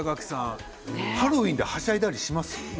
ハロウィーンではしゃいだりします？